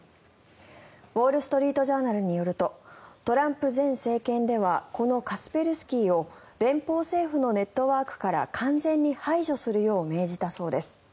ウォール・ストリート・ジャーナルによるとトランプ前政権ではこのカスペルスキーを連邦政府のネットワークから完全に排除するよう命じたそうです。